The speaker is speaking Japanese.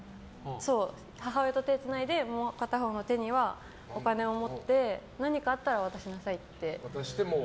母親と手をつないでもう片方の手にはお金を持って何かあったら渡しなさいって。